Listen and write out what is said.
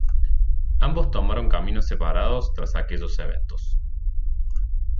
Ambos tomaron caminos separados tras aquellos eventos.